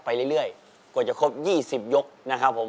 ไปเรื่อยกว่าจะครบ๒๐ยกนะครับผม